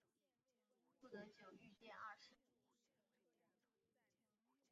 护得久御殿二世。